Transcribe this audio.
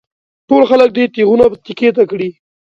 ټول خلک دې تېغونه تېکې ته کړي.